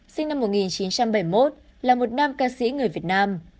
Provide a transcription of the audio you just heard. sinh năm một nghìn chín trăm bảy mươi một là một nam ca sĩ người việt nam